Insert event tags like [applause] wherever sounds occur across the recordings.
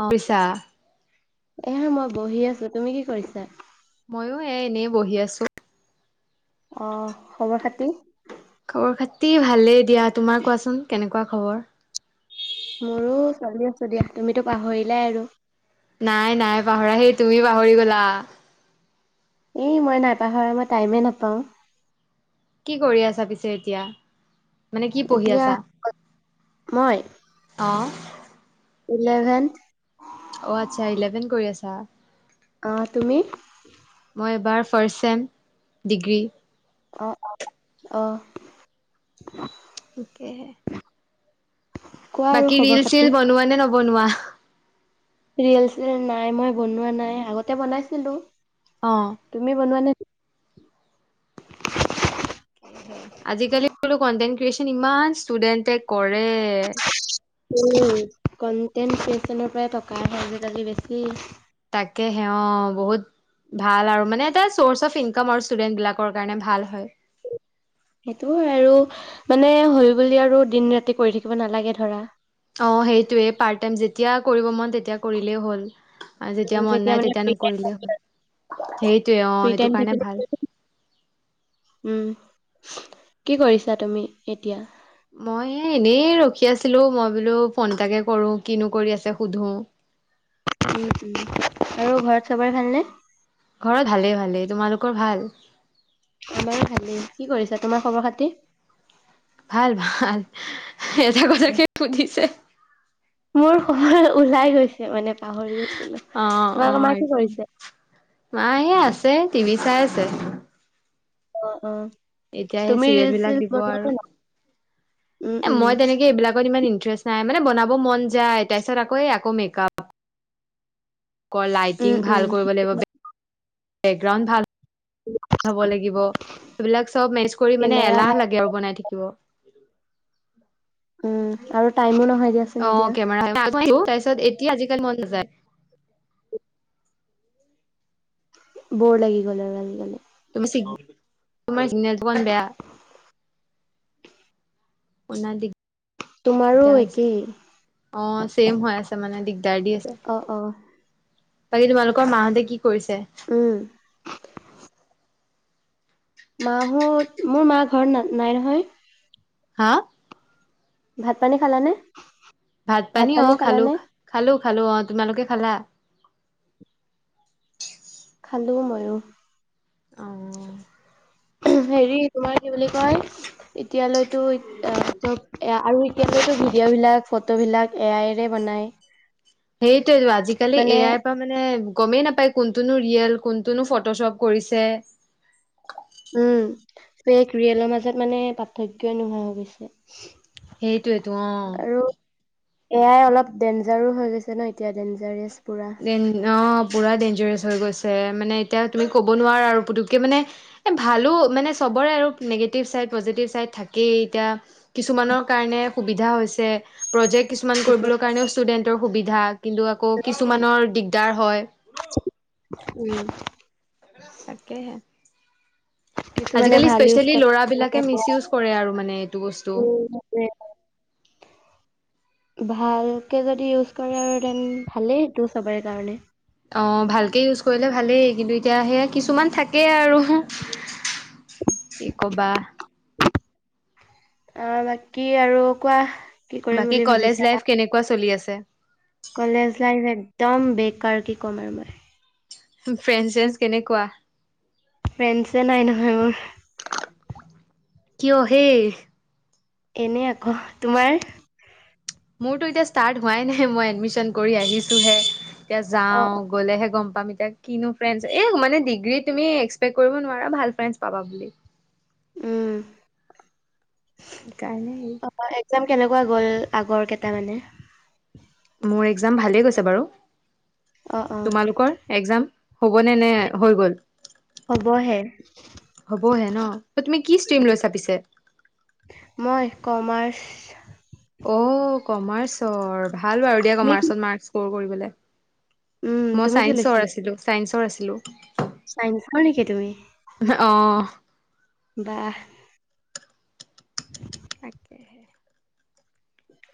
অ' [unintelligible] এয়া মই বহি আছোঁ। তুমি কি কৰিছা? মইও এ, এনেই বহি আছোঁ। অ', খবৰ খাতি? খবৰ খাতি ভালেই দিয়া, তোমাৰ কোৱাচোন কেনেকুৱা খবৰ? মোৰো ছোৱালী আছে দিয়া, তুমিতো পাহৰিলাই আৰু। নাই নাই পাহৰা, সেই তুমি পাহৰি গ'লা। এই মই নাপাহৰা মই টাইমেই নাপাও। কি কৰি আছা পিছে এতিয়া মানে কি পঢ়ি এতিয়া আছা? মই অ'। ইলেভেন। অ', আচ্ছা ইলেভেন কৰি আছা। অ', তুমি? মই এইবাৰ ফাৰ্ষ্ট চেম ডিগ্ৰী। আহ, আহ। তাকেহে [unintelligible] বাকী খবৰ ৰিল খাতি। চিল বনোৱা নে নবনোৱা। ৰিল চিল নাই মই বনোৱা নাই আগতে বনাইছিলোঁ। অহ। তুমি বনোৱা নে। তাকেহে আজিকালি বোলো কন্টেন্ট ক্ৰিয়েচন ইমান ষ্টুডেন্টে কৰে। উম কনটেন্ট ক্ৰিয়েচনৰ পৰা টকা আহে আজিকালি বেছি। তাকে সে অ', বহুত ভাল আৰু মানে এটা চৰ্চ অফ ইনকাম আৰু ষ্টুডেন্ট বিলাকৰ কাৰণে ভাল হয়। সেইটো আৰু মানে হ'ল বুলি আৰু দিন ৰাতি কৰি থাকিব নালাগে ধৰা। অ', সেইটোৱেই পাৰ্ট টাইম যেতিয়া কৰিব মন তেতিয়া কৰিলেই হ'ল। আৰু উম, যেতিয়া মন নাই মানে তেতিয়া ফ্ৰী টাইম নকৰিলেই হ'ল সেইটোয়ে ফ্ৰী অ', টাইম সেইটো কাৰণে থাকিলে ভাল। উম কি কৰিছা তুমি এতিয়া। মই এনেই ৰখি আছিলোঁ মই বোলো ফোন এটাকে কৰো কিনো কৰি আছে সুধো। আৰু ঘৰত চবৰে ভালনে। ঘৰত ভালেই, ভালেই তোমালোকৰ ভাল। আমাৰ ভালেই কি কৰিছা তোমাৰ খবৰ খাতি। ভাল, ভাল এটা কথাকে সুধিছে। মোৰ ঘৰ ওলাই গৈছে মানে পাহৰি গৈছিলোঁ অ' তোমাক আমাৰ অ' কি কৰিছে? মায়ে আছে টিভি চাই আছে। অ', অ'। এতিয়া সেই তুমি চিৰিয়েল ৰিলচ বিলাক চিলচ দিব বনোৱা আৰু নে নাই? উম, এ উম, মই তেনেকে এইবিলাকত ইমান ইনটেৰেস্ট নাই মানে বনাব মন যায় তাৰপিছত আকৌ এই আকৌ মেকআপ ক উম, লাইটিং উম, ভাল কৰিব লাগিব বেকগ্ৰাউণ্ড ভাল হ'ব লাগিব সেইবিলাক চব মেচ কৰি মানে কেমেৰা এলাহ ভাল লাগে আৰু বনাই থাকিব। উম আৰু টাইমো নহয় যে। অ', কেমেৰা তাৰ পিছত এতিয়া আজিকালি মন নাযায়। ব'ৰ লাগি গ'ল আৰু আজি কালি। তুমি তোমাৰ চিগনেছীন [unintelligible] বেয়া [unintelligible] তোমাৰো দিগদাৰ হৈছে একেই। অ', ছেম হৈ আছে মানে দিগদাৰ দি আছে। অ', অ'। বাকী তোমালোকৰ মাহঁতে কি কৰিছে? উম। মাঁহত মোৰ মা ঘৰত ন নাই নহয়। হা। ভাত পানী খালানে? ভাত পানী অ খালো খালো তোমালোকে খালা? খালোঁ ময়ো অঁ। হেৰি তোমাৰ কি বুলি কয় এতিয়ালৈতো এ এ। আৰু এতিয়াতো ভিডিঅ'বিলাক ফটোবিলাক এ আই এৰে বনায়। সেইটোৱেটো আজিকালি এ আই। তা মানে গমেই নাপায় কোনটোনো ৰিয়েল কোনটোনো ফটোশ্বপ কৰিছে। উম ফেক ৰিয়েলৰ মাজত মানে পাৰ্থক্যই নোহোৱা হৈ গৈছে। এইতোৱেইতো অ। আৰু এয়াই অলপ ডেঞ্জাৰো হৈ গৈছে ন এতিয়া ডেঞ্জাৰিয়ছ পুৰা। অ পুৰা ডেঞ্জাৰছ হৈ গৈছে মানে এতিয়া তুমি ক'ব নোৱাৰা আৰু পুতুককে মানে। এ ভালো মানে চবৰে আৰু নিগেটিভ চাইড পজিটিভ চাইড থাকেই এতিয়া। কিছুমানৰ কাৰণে সুবিধা হৈছে প্ৰজেক্ট। কিছুমান কৰিবলৈ কাৰণেও ষ্টুডেণ্টৰ সুবিধা কিন্তু আকৌ কিছুমানৰ দিগদাৰ হয়। উম। তাকেহে। কিছু মানে আজিকালি ভাল ইউজ স্পেচিয়েলি কৰে ল'ৰাবিলাকে কিছুমানে মিচ বেয়া ইউজ কৰে আৰু মানে এইটো উ। বস্তু উম। ভালকে যদি ইউজ কৰে আৰু দেন ভালেই সেইটো চবৰে কাৰণে। অ ভালকে ইউজ কৰিলে ভালেই কিন্তু এতিয়া সেয়া কিছুমান থাকেই আৰু। কি ক'বা। বাকী আৰু কোৱা? কি কৰিম বাকী বুলি কলেজ ভাবিছা লাইফ কেনেকুৱা চলি আছে? কলেজ লাইফ একদম বেকাৰ কি ক'ম আৰু মই? ফ্ৰেণ্ডচ চেণ্ডচ কেনেকুৱা? ফ্ৰেণ্ডছে নাই নহয় মোৰ। কিয় হেই? এনে আক তোমাৰ? মোৰতো এতিয়া ষ্টাৰ্ট হোৱাই নাই মই এডমিচন কৰি আহিছোহে এতিয়া অ', যাওঁ। গ'লেহে গম পাম এতিয়া কিনো ফ্ৰেণ্ডছ এই মানে ডিগ্ৰী তুমি এক্সপেক্ট কৰিব নোৱাৰা ভাল ফ্ৰেণ্ডছ পাবা বুলি। উম। কাৰণে। অ একজাম কেনেকুৱা গ'ল আগৰ কেইটা মানে? মোৰ এক্জাম ভালেই গৈছে বাৰু অ', অ', তোমালোকৰ এক্জাম? হ'বনে নে হৈ গ'ল? হ'বহে হ'বহে ন তুমি কি ষ্ট্ৰীম লৈছা পিছে? মই কমাৰ্চ। অ কমাৰ্চৰ ভাল বাৰু দিয়া তুমি কি? কমাৰ্চত মাৰ্ক স্কৰ কৰিবলৈ। উম, মই তুমি কি চাইন্সৰ লৈছিলা? আছিলো চাইন্সৰ আছিলো। চাইন্সৰ নেকি তুমি। অ। বাহ। [inaudible] তাকেহে।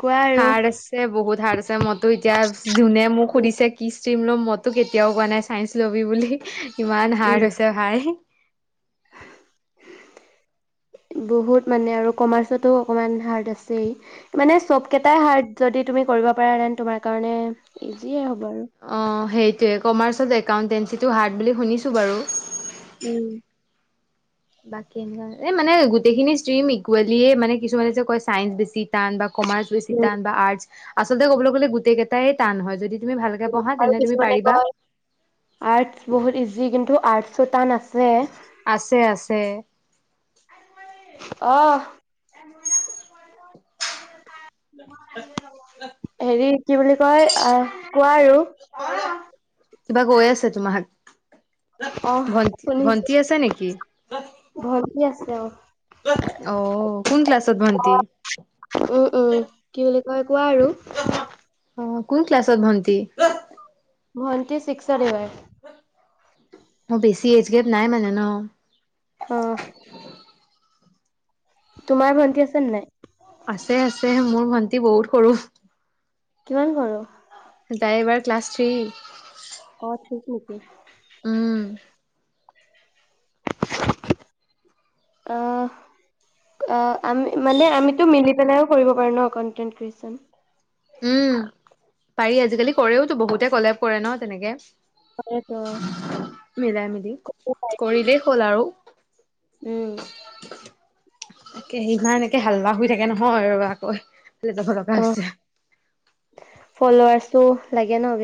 কোৱা আৰু। হাৰ্ড আছে। বহুত হাৰ্ড আছে মইতো এতিয়া যোনে মোক সুধিছে কি ষ্ট্ৰীম লম মইতো কেতিয়াও কোৱা নাই। ছাইঞ্চ লবি বুলি ইমান হাৰ্ড হৈছে ভাই। বহুত মানে আৰু কমাৰ্চতো অকণমান হাৰ্ড আছেই। মানে চব কেইটাই হাৰ্ড যদি তুমি কৰিব পাৰাে দেন তোমাৰ কাৰণে ইজিয়ে হ'ব আৰু। অ', সেইটোৱে কমাৰ্চত একাউণ্টেঞ্চিটো হাৰ্ড বুলি শুনিছোঁ বাৰু। উম। মানে গোটেইখিনি ষ্ট্ৰিম ইকুৱেলিয়ে মানে কিছুমানে যে কয় চাইন্স বেছি টান বা কমাৰ্চ বেছি উম, টান বা আৰ্টছ আচলতে ক'বলৈ গ'লে গোটেই কেইটাই টান হয়। যদি তুমি ভালকে পঢ়া আৰু তেনে তুমি কিছুমানে পাৰিবা। কয় আৰ্টছ বহুত ইজি কিন্তু আৰ্টছো তান আছে। আছে আছে। অ'। হেৰি কি বুলি কয় আহ কোৱা আৰু। কিবা কৈ আছে তোমাক! অহ ভণ্টি শুনিছো ভণ্টি আছে নেকি? ভন্টি আছে অ'। অ', কোন ক্লাছত ভন্টি? উম, উম, কি বুলি কয় কোৱা আৰু। অ', কোন ক্লাছত ভন্টি? ভন্টি চিক্সত এইবাৰ। অ', বেছি এইজ গেপ নাই মানে ন। অ'। তোমাৰ ভণ্টি আছে নে নাই? আছে আছে মোৰ ভণ্টি বহুত সৰু। কিমান সৰু? তাই এইবাৰ ক্লাছ থ্ৰী। অ', থ্ৰীত নেকি। উম। আহ। অ', আমি মানে আমিতো মিলি পেলাইও কৰিব পাৰো ন কনট্ৰেনট ক্ৰিয়েচন। উম পাৰি আজিকালি কৰেওতো বহুতে কলেব কৰে ন তেনেকে। তাকেতো মিলাই মিলি কৰিলেই হ'ল আৰু। উম। তাকেহে ইমান একে হাল্লা হৈ থাকে নহয় ৰ'বা আকৌ [unintelligible] অ', ফলোৱাৰ্ছটো লাগে ন।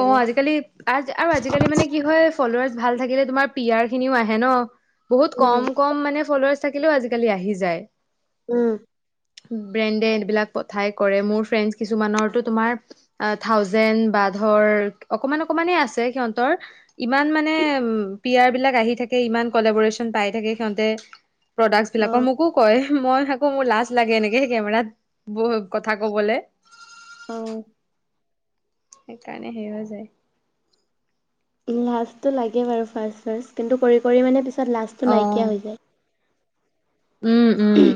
অ', আজিকালি আ আৰু আজিকালি মানে কি হয় ফলোৱাৰ্ছ ভাল থাকিলে তোমাৰ পি আৰখিনিও আহে ন বহুত উম কম কম মানে ফলোৱাৰ্ছ থাকিলেও আজিকালি আহি যায়। উম। ব্ৰেণ্ডে এইবিলাক পথাই কৰে মোৰ ফ্ৰেণ্ডচ কিছুমানৰটো তোমাৰ থাউজেণ্ড বা ধৰ অকমান অকমানেই আছে সিহঁতৰ। ইমান মানে পি আৰবিলাক আহি থাকে ইমান কলেবৰেশচন পাই থাকে সিহঁতে। প্ৰডাক্ট অ বিলাকৰ মোকো কয় মই আকো মোৰ লাজ লাগে এনেকে সেই কেমেৰাত। বৈ কথা ক'বলে। অ সেইকাৰণে হেই হৈ যায়। লাজটো লাগে বাৰু ফাৰ্ষ্ট ফাৰ্ষ্ট কিন্তু কৰি কৰি মানে পিছত লাজটো নাইকিয়া অ', হৈ যায়। উম উম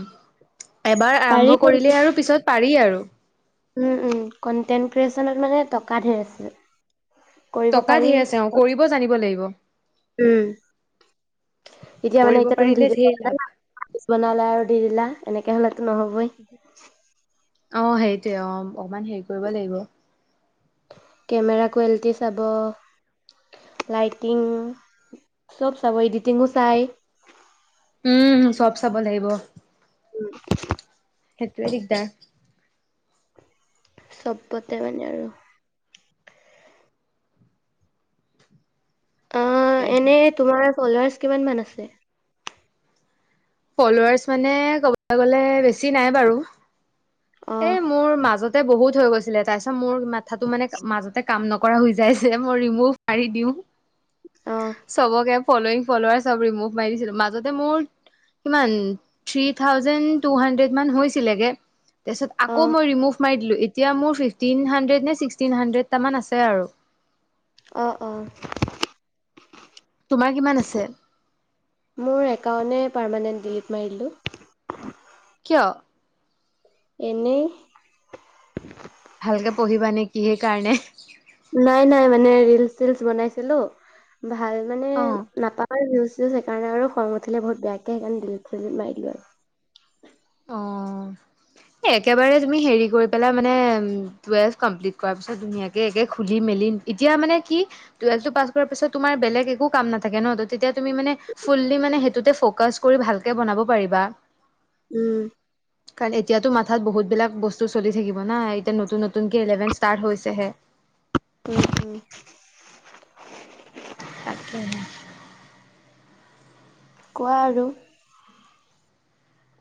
এবাৰ পাৰি আৰম্ভ কৰিব। কৰিলে আৰু পিছত পাৰি আৰু উম উম কন্টেন্ট ক্ৰিয়েচনত মানে টকা ঢেৰ আছে। কৰিব টকা পাৰি। ঢেৰ আছে অ কৰিব জানিব লাগিব। উম এতিয়া মানে কৰিব এতিয়া তুমি পাৰিলে ভিডিঅ ঢেৰ কৰিব লাভ জানা। পিছ বনালা আৰু দি দিলা তেনেকে হলেতো নহবইয়ে। অ সেইটোয়ে অ অকমান হেৰি কৰিব লাগিব। কেমেৰা কোৱালিটি চাব। লাইটিং চব চব এডিটিং চাই। উ চব চাব লাগিব। উম, সেইটোৱে দিকদাৰ। চবতে মানে আৰু অ', তাকেহে এনে তোমাৰ ফলোৱাৰ্চ কিমান মান আছে। ফ্লোলাৰ্চ মানে ক'বলৈ গলে বেছি নাই বাৰু অ', এই মোৰ মাজত। বহুত হৈ গৈছিলে তাৰ পিছত মোৰ মাথাটো মানে মাজতে কাম নকৰা হৈ যায় যে মই ৰিমুভ মাৰি দিও। অহ, চবকে ফ্ললয়িং ফলৱাচ চবকে ৰিমুভ মাৰি দিছিলো মাজতে মোৰ। কিমান থ্ৰী থাউজেণ্ড টু হাড্ৰেড মান হৈছিলেগে। তাৰপিছত আকৌ অ', মইৰিমুভ মাৰি দিলোঁ এতিয়া মোৰ ফিফটিন হাণ্ড্ৰেত নে ছিক্সটিন হাণ্ড্ৰেড তাৰ মান আছে আৰু অ অ তোমাৰ কিমান আছে। মোৰ একাউণ্টে পাৰমানেণ্ট ডিলিট মাৰিলোঁ দিলোঁ। কিয়। এনেই। ভালকে পঢ়িবা নেকি সেই কাৰণে। নাই নাই মানে ৰিলচ চিলচ বনাইছিলো ভাল মানে অ'। নাপাওঁ। আৰু ভিউজ চিউজ সেইকাৰণে খং উঠিল বহুত বেয়াকে সেইকাৰনে দিলিত মাৰি দিলোঁ আৰু অ একেবাৰে তুমি হেৰি কৰি পেলাই মানে টুৱেলভ কমপ্লিট কৰাৰ পিছত ধুনীয়াকৈ একে খুলি মেলি, এতিয়া মানে কি টোৱেভ টো পাছ কৰাৰ পিছত তোমাৰ বেলেগ একো কাম নাথাকে ন ত তেতিয়া তুমি মানে, ফুল্লি মানে সেইটোতে ফ'কাচ কৰি ভালকে বনাব পাৰিবা। উম, কাৰণ এতিয়াতো মাথাত বহুতবিলাক বস্তু চলি থাকিব না এতিয়া নতুন নতুনকৈ ইলেভেন ষ্টাৰ্ট হৈছেহে। উ [unintelligible] তাকে। কোৱা আৰু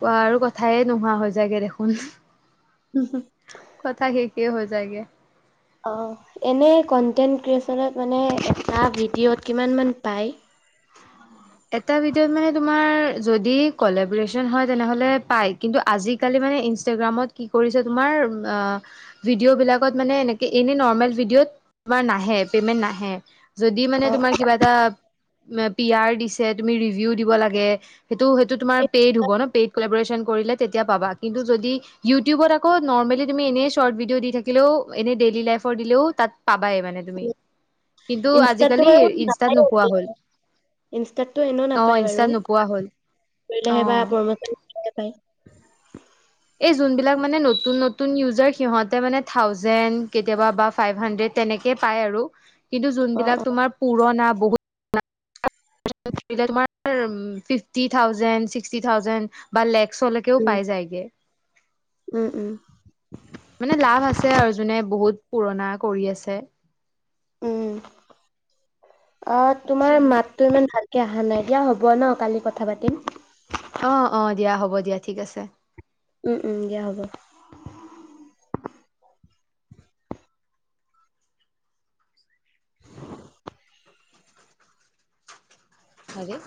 কোৱা আৰু কোৱা থায়ে নোহোৱা হৈ জাইগে দেখোন। হুম হুম, সচাকে শেষে হৈ যায়গে। অ এনে কনটেণ্ট ক্ৰিয়েচনত মানে এটা ভিডিঅ'ত কিমান মান পায়। এটা ভিডিঅত মানে তোমাৰ যদি কলেবৰেচন হয় তেনেহলে পায় কিন্তু আজি, আজিকালি মানে ইষ্ট্ৰাগ্ৰ্যামত কি কৰিছে তোমাৰ আ ভিডিঅ বিলাকত মানে এনেকে এনে নৰ্মেল ভিডিঅ'ত তোমাৰ নাহে পেমেনত নাহে যদি মানে অ তোমাৰ কিবা এটা পিয়াৰ দিছে তুমি ৰিভিউ দিব লাগে সেইটো সেইটো তোমাৰ পেইড হ'ব ন, পেইড কলাব্ৰেচন কৰিলে তেতিয়া পাবা, কিন্তু যদি ইউটিউবত আকৌ নৰ্মেলি তুমি এনেই শ্বৰ্ট ভিডিঅ' দি থাকিলেও এনে ডেইলী লাইফৰ দিলেও তাত পাবাই মানে তুমি। কিন্তু ইনষ্টাটো আজিকালি বাৰু ইনষ্টাত নোপোৱা [unintelligible] হ'ল ইনষ্টাতটো এনেও অ নাপায় বাৰু ইনষ্টাত নোপোৱা হ'ল অ কৰিলেহে বা প্ৰমচন কৰিলেহে পায়। এই যোনবিলাক মানে নতুন নতুন ইউজাৰ সিহঁতে মানে থাউজেণ কেতিয়াবা বা ফাইভ হান্দ্ৰেড তেনেকে পাই আৰু কিন্তু অ অ যোনবিলাক তোমাৰ পুৰণা বহুত [unintelligible] তোমাৰ ফিফটি থাউজেন ছিক্সটি থাউজেন বা লেষ্ক চলে কেও উম পাই যাই গে। উম উম। মানে লাভ আছে আৰু যোনে বহুত পুৰণা কৰি আছে। উম আ তোমাৰ মাত তো ইমান ভালকে আহা নাই দিয়া হ'ব ন' কালি কথা পাতিম। অ অ দিয়া হ'ব দিয়া ঠিক আছে। উম উম দিয়া হ'ব। হাৰে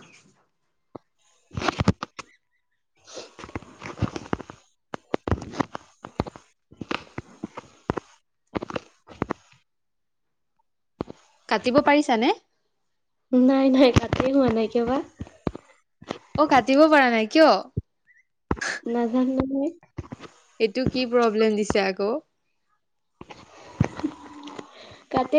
[unintelligible] কাটিব পাৰিছা নে? উম নাই নাই কাতিয়ে হোৱা নাই কিয়বা। অ কাটিব পাৰা নাই কিয়? নাজানো নহয়। এইটো কি প্ৰব্লেম দিছে আকৌ। কাটি